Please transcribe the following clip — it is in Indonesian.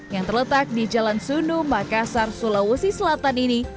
yang terletak di jalan sundu makassar sulawesi selatan ini